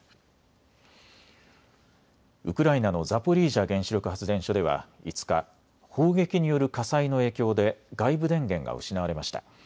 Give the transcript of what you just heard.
ウクライナのザポリージャ原子力発電所では５日、砲撃による火災の影響で外部電源が失われました。